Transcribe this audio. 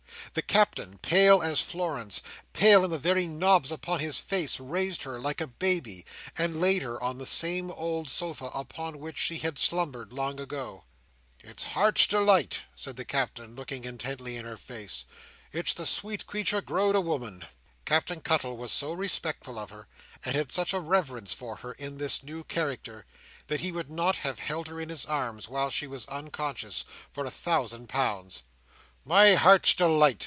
The Captain, pale as Florence, pale in the very knobs upon his face, raised her like a baby, and laid her on the same old sofa upon which she had slumbered long ago. "It's Heart's Delight!" said the Captain, looking intently in her face. "It's the sweet creetur grow'd a woman!" Captain Cuttle was so respectful of her, and had such a reverence for her, in this new character, that he would not have held her in his arms, while she was unconscious, for a thousand pounds. "My Heart's Delight!"